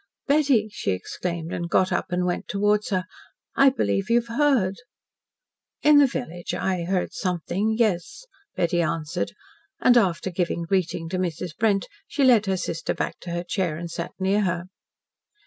"Betty!" she exclaimed, and got up and went towards her, "I believe you have heard." "In the village, I heard something yes," Betty answered, and after giving greeting to Mrs. Brent, she led her sister back to her chair, and sat near her.